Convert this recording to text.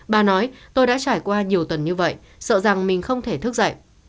bà nói tôi đã trải qua nhiều tuần như vậy sợ rằng mình không thể thức dậy